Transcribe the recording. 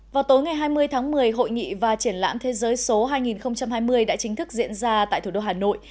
vào tối ngày hai mươi tháng một mươi hội nghị và triển lãm thế giới số hai nghìn hai mươi đã chính thức diễn ra tại thủ đô hà nội